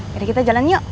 ya udah kita jalan yuk